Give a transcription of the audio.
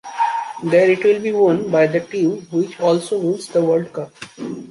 There it will be won by the team which also wins the World Cup.